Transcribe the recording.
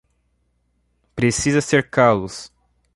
Precisa cercá-los